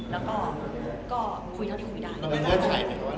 แล้วก็คุยเท่าที่คุยได้